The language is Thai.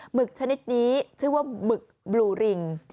หึกชนิดนี้ชื่อว่าหมึกบลูริง